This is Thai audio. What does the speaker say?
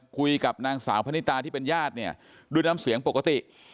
คุยกับนางสาวพนิตาที่เป็นญาติเนี่ยด้วยน้ำเสียงปกติ